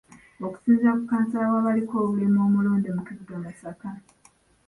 Okusinziira ku kkansala w'abaliko obulemu omulonde mu kibuga Masaka